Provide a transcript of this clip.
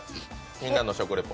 みんなの食レポ。